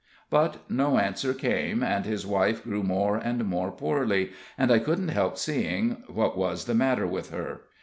But no answer came, and his wife grew more and more poorly, and I couldn't help seeing what was the matter with her.